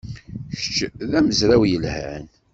Kečč d amezraw yelhan.